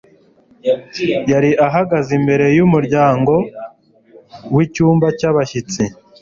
yari ahagaze imbere yumuryango wicyumba cyabashyitsi.